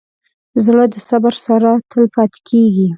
زړه د صبر سره تل پاتې کېږي.